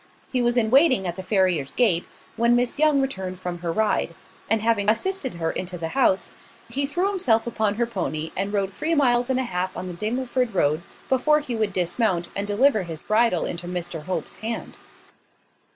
He was in waiting at the farrier's gate, when Miss Young returned from her ride; and having assisted her into the house, he threw himself upon her pony, and rode three miles and a half on the Dingleford road before he would dismount, and deliver his bridle into Mr Hope's hand.